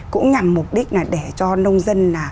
cũng nhằm mục đích là để cho nông dân